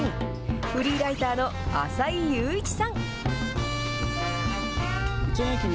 フリーライターの浅井佑一さん。